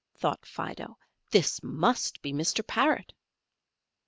thought Fido, "this must be Mr. Parrot."